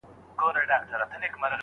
نن دې تصوير زما پر ژړا باندې راوښويدی